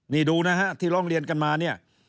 นี่ดูนะฮะที่ร้องเรียนกันมาเนี่ย